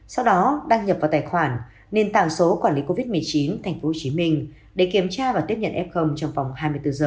sau đó đăng nhập vào tài khoản nền tàng số quản lý covid một mươi chín tp hcm để kiểm tra và tiếp nhận f trong vòng hai mươi bốn h